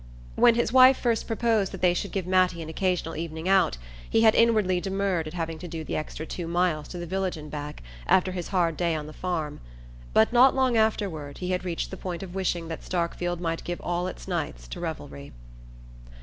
When his wife first proposed that they should give Mattie an occasional evening out he had inwardly demurred at having to do the extra two miles to the village and back after his hard day on the farm; but not long afterward he had reached the point of wishing that Starkfield might give all its nights to revelry.